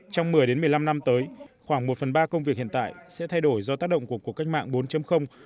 trong một mươi một mươi năm năm tới khoảng một phần ba công việc hiện tại sẽ thay đổi do tác động của cuộc cách mạng bốn